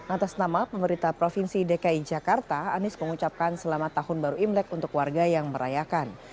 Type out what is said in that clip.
atas nama pemerintah provinsi dki jakarta anies mengucapkan selamat tahun baru imlek untuk warga yang merayakan